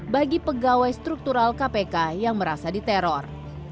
bagi pegawai struktural kpk yang merasa diteror